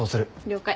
了解。